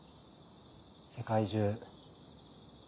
世界中。